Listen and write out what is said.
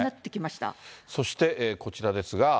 そしてこちらですが。